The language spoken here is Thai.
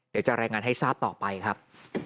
เดี๋ยวจะรายงานให้ทราบต่อไปครับ